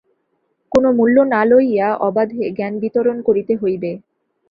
কোন মূল্য না লইয়া অবাধে জ্ঞানবিতরণ করিতে হইবে।